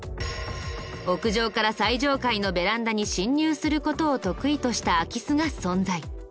屋上から最上階のベランダに侵入する事を得意とした空き巣が存在。